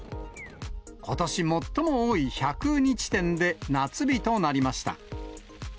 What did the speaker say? ことし最も多い１０２地点で夏日となりました。